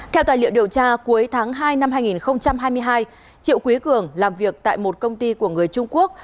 theo tài liệu điều tra cuối tháng hai năm hai nghìn hai mươi hai triệu quý cường làm việc tại một công ty của người trung quốc